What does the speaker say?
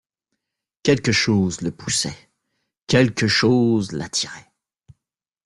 Quelque chose le poussait, quelque chose l’attirait.